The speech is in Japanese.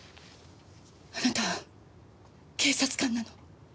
あなたは警察官なの。